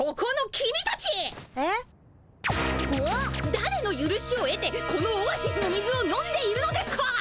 だれのゆるしをえてこのオアシスの水を飲んでいるのですか？